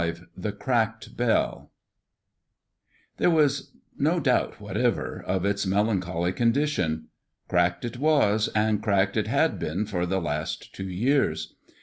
V THE CRACKED BELL There was no doubt whatever of its melancholy condition. Cracked it was, and cracked it had been for the last two years.